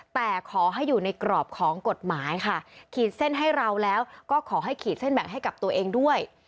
แต่ขอให้อยู่ในกรอบของกฎหมายค่ะขีดเส้นให้เราแล้วก็ขอให้ขีดเส้นแบ่งให้กับตัวเองด้วย